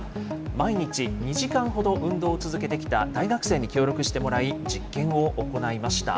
毎日２時間ほど運動を続けてきた大学生に協力してもらい、実験を行いました。